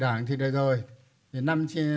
đảng thì được rồi thì nằm trên